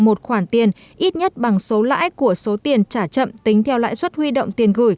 một khoản tiền ít nhất bằng số lãi của số tiền trả chậm tính theo lãi suất huy động tiền gửi